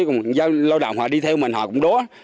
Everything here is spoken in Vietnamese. còn do lâu đạo họ đi theo mình họ cũng đố